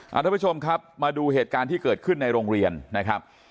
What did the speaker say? ทุกผู้ชมครับมาดูเหตุการณ์ที่เกิดขึ้นในโรงเรียนนะครับ